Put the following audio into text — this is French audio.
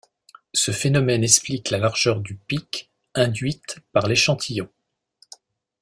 Ce phénomène explique la largeur du pic induite par l'échantillon.